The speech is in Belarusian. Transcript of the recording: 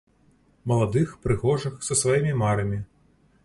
Маладых, прыгожых, са сваімі марамі.